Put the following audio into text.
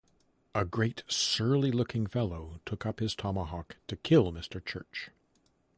A great surly-looking fellow took up his tomahawk to kill Mr. Church.